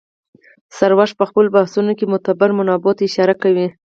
سروش په خپلو بحثونو کې معتبرو منابعو ته اشاره کوي.